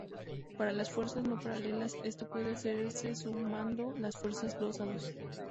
Para fuerzas no paralelas esto puede hacerse sumando las fuerzas dos a dos.